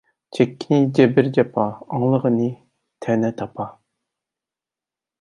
چەككىنى جەبىر-جاپا، ئاڭلىغىنى تەنە-تاپا.